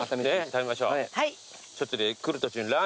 食べましょう。